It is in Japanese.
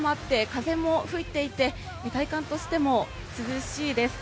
風も吹いていて体感としても涼しいです。